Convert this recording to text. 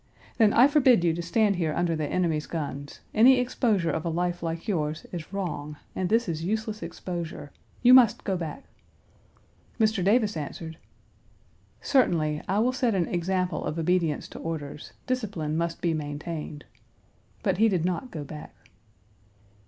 "Then I forbid you to stand here under the enemy's guns. Any exposure of a life like yours is wrong, and this is useless exposure. You must go back." Mr. Davis answered: "Certainly, I will set an example of obedience to orders. Discipline must be maintained." But he did not go back.